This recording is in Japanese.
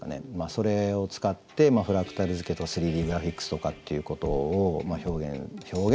それを使ってフラクタル図形とか３Ｄグラフィックスとかっていうことをまあ表現。